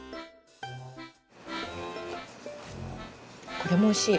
これもおいしい。